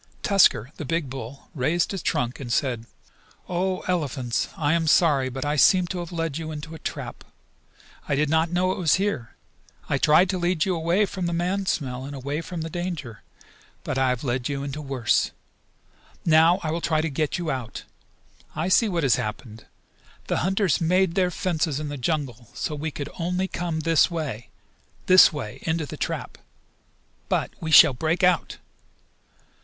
Tusker, the big bull, raised his trunk and said: "O, Elephants! I am sorry, but I seem to have led you into a trap. I did not know it was here. I tried to lead you away from the man smell and away from the danger, but I have led you into worse. Now I will try to get you out. I see what has happened. The hunters made their fences in the jungle so we could only come this way this way into the trap. But we shall break out!